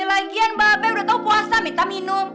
ya lagian babi udah tau puasa minta minum